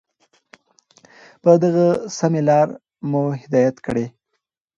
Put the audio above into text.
په دغي سمي لار مو هدايت كړې